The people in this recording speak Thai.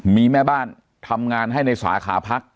มีแม่บ้านทำงานให้ในสาขาพัก